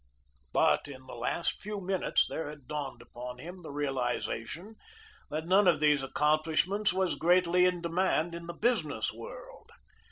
But in the last few minutes there had dawned upon him the realization that none of these accomplishments was greatly in demand in the business world.